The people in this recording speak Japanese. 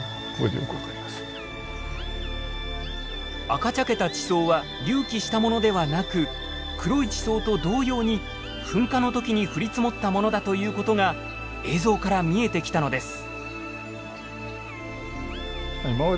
赤茶けた地層は隆起したものではなく黒い地層と同様に噴火の時に降り積もったものだということが映像から見えてきたのです。